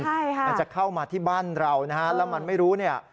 ใช่ค่ะมันจะเข้ามาที่บ้านเรานะฮะแล้วมันไม่รู้เนี่ย